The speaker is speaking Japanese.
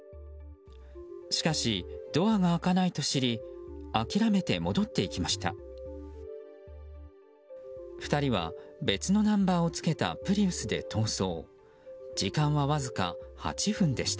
しかし、ドアが開かないと知り諦めて戻っていきました。